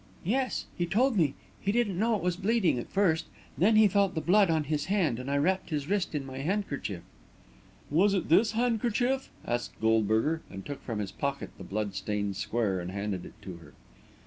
"Yes, he told me. He didn't know it was bleeding, at first; then he felt the blood on his hand, and I wrapped his wrist in my handkerchief." "Was it this handkerchief?" asked Goldberger, and took from his pocket the blood stained square and handed it to her.